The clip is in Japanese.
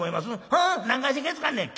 『ふん何かしてけつかんねん。